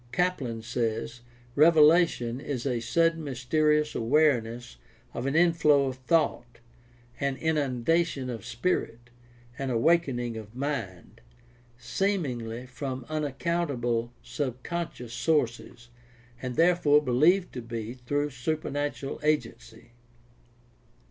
Kaplan says: "Revelation .... is a sudden mysterious awareness of an inflow of thought, an inundation of spirit, an awakening of mind, seemingly from unaccountable (subconscious) sources and therefore believed to be .... through supernatural agency."